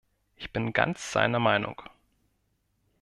Ich bin ganz seiner Meinung.